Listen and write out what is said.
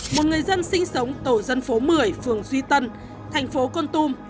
một người dân sinh sống tổ dân phố một mươi phường duy tân thành phố con tum